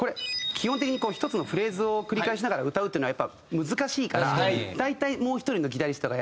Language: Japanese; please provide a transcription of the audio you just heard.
基本的に１つのフレーズを繰り返しながら歌うっていうのはやっぱ難しいから大体もう１人のギタリストがやって。